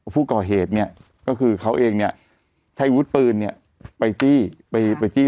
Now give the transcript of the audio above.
ผู้ก่อเหตุเนี่ยก็คือเขาเองเนี่ยใช้วุฒิปืนเนี่ยไปจี้ไปไปจี้